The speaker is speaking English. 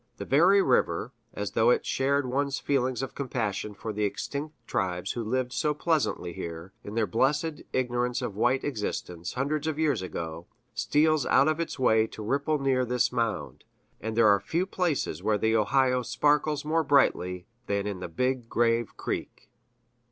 The very river, as though it shared one's feelings of compassion for the extinct tribes who lived so pleasantly here, in their blessed ignorance of white existence, hundreds of years ago, steals out of its way to ripple near this mound; and there are few places where the Ohio sparkles more brightly than in the Big Grave Creek."